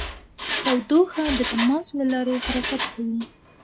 تودوخه د تماس له لارې حرکت کوي.